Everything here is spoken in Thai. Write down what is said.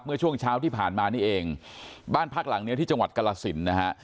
เมื่อช่วงเช้าที่ผ่านมานี่เองบ้านพักหลังเนี้ยที่จังหวัดกรสินนะฮะ